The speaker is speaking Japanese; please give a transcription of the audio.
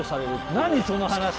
何その話。